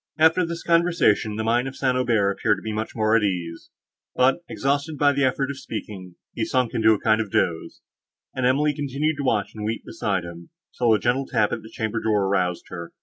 After this conversation, the mind of St. Aubert appeared to be much more at ease; but, exhausted by the effort of speaking, he sunk into a kind of doze, and Emily continued to watch and weep beside him, till a gentle tap at the chamber door roused her.